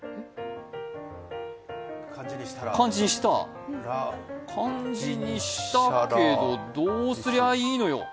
漢字にしたら漢字にしたけど、どうすりゃいいのよ？